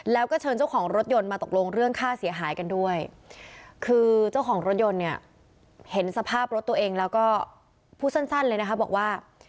แล้วก็เชิญเจ้าของรถยนต์มาตกลงเรื่องค่าเสียหายกันด้วยคือเจ้าของรถยนต์เนี่ยเห็นสภาพรถตัวเองแล้วก็พูดสั้นเลยนะคะบอกว่า